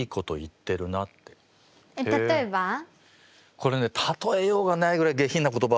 これね例えようがないぐらい下品な言葉。